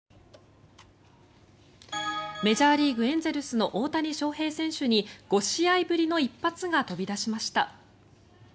メジャーリーグ、エンゼルスの大谷翔平選手に５試合ぶりの一発が飛び出しました。